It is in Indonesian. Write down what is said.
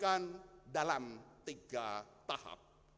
kami implementasikan dalam tiga tahap